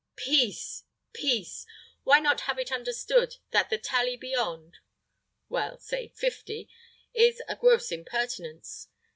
Peace! peace! Why not have it understood that the tally beyond well, say fifty, is a gross impertinence?